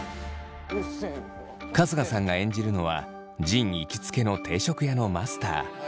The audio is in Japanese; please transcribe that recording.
春日さんが演じるのは仁行きつけの定食屋のマスター。